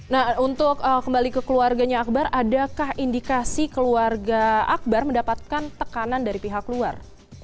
nah untuk kembali ke keluarganya akbar adakah indikasi keluarga akbar mendapatkan tekanan dari pihak luar